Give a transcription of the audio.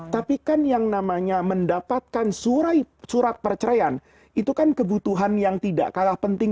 tapi kan yang namanya mendapatkan surat perceraian itu kan kebutuhan yang tidak kalah penting